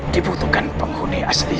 dibutuhkan penghuni asli